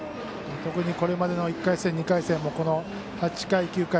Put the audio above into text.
特にこれまでの１回戦、２回戦もこの８回、９回。